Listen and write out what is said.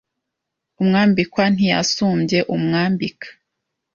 Umwambikwa ntiyasumbye umwambika